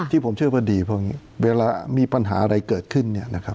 ที่ผมเชื่อว่าดีเพราะว่าเวลามีปัญหาอะไรเกิดขึ้น